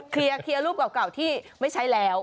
เคลียร์รูปเก่าที่ไม่ใช้แล้ว